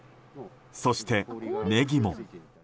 そして、ネギも。